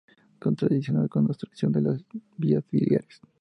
Contraindicado con obstrucción de las vías biliares.